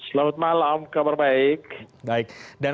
selamat malam kabar baik